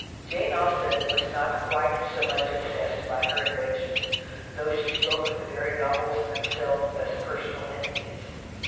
Jane Austen was not quite so much obsessed by her inventions, though she spoke of the very novels themselves as personal entities.